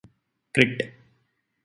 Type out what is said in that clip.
Crit.